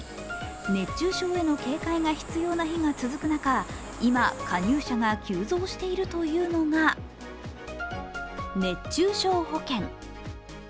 熱中症への警戒が必要な日が続く中、今、加入者が急増しているというのが熱中症保険。